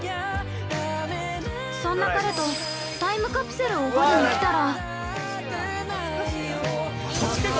そんな彼とタイプカプセルを取りに来たら。